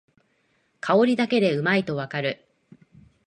香りだけでうまいとわかる